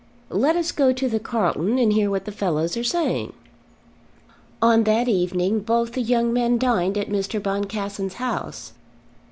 "Let us go to the Carlton and hear what the fellows are saying." On that evening both the young men dined at Mr. Boncassen's house.